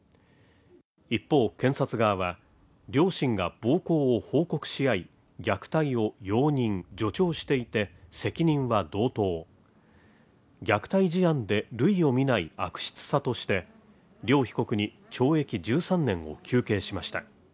一方、検察側は両親が暴行を報告し合い虐待を容認、助長していて責任は同等、虐待事案で類をみない悪質さとして、両被告に懲役１３年を求刑しました。